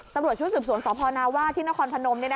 ตำรวจชุดสืบสวนสพนาว่าที่นครพนม